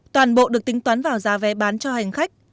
toàn bộ được tính toán vào giá vé bán cho hành khách